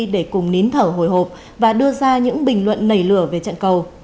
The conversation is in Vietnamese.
để cùng nín thở hồi hộp và đưa ra những bình luận nảy lửa về trận cầu